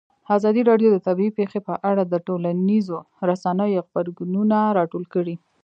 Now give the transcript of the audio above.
ازادي راډیو د طبیعي پېښې په اړه د ټولنیزو رسنیو غبرګونونه راټول کړي.